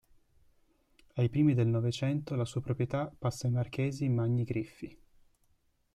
Ai primi del Novecento la sua proprietà passa ai marchesi Magni Griffi.